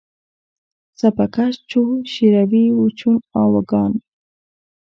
سپه کش چو شیروي و چون آوگان